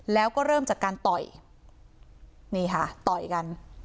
แล้วก็เริ่มจากการต่อยนี่ค่ะต่อยกัน